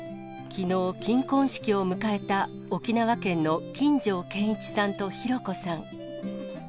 きのう、金婚式を迎えた、沖縄県の金城健一さんと弘子さん。